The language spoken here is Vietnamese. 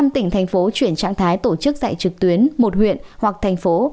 năm tỉnh thành phố chuyển trạng thái tổ chức dạy trực tuyến một huyện hoặc thành phố